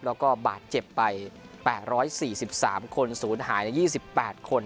แล้วก็บาดเจ็บไป๘๔๓คนศูนย์หายใน๒๘คน